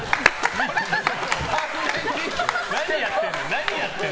何やってんの？